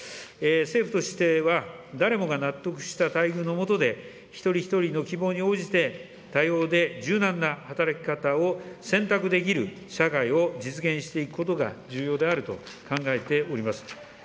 政府としては誰もが納得した待遇の下で、一人一人の希望に応じて多様で柔軟な働き方を選択できる社会を実現していくことが重要であると考えております。